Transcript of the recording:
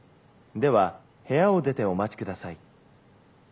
では部屋を出てお待ちください」。